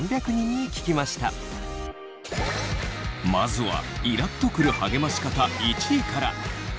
まずはイラッとくる励まし方１位から。